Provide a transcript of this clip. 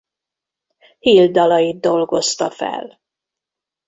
Hill dalait dolgozta fel.